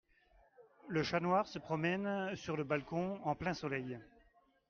Le chat noir se promène sur le balcon en plein soleil.